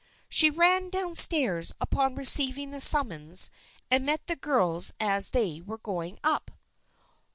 She ran down stairs upon receiving the summons and met the girls as they were going up.